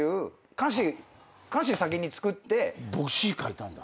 僕詞書いたんだ。